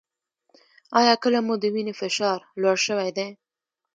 ایا کله مو د وینې فشار لوړ شوی دی؟